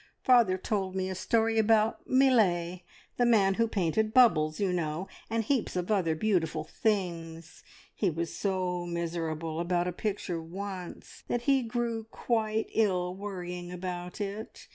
Father told me a story about Millais, the man who painted `Bubbles,' you know, and heaps of other beautiful things. He was so miserable about a picture once that he grew quite ill worrying about it.